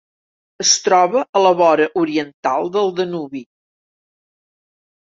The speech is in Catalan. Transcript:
Es troba a la vora oriental del Danubi.